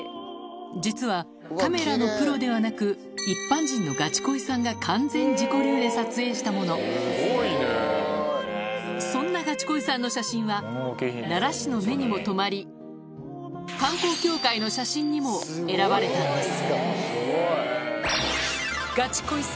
実はカメラのプロではなく一般人のガチ恋さんが完全自己流で撮影したものそんなガチ恋さんの写真は奈良市の目にも留まり選ばれたんです